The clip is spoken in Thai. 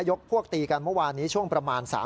ยกพวกตีกันเมื่อวานนี้ช่วงประมาณ๓๔ทุ่มนะครับ